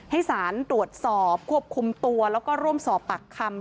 ให้สารตรวจสอบควบคุมตัวแล้วก็ร่วมสอบปากคำ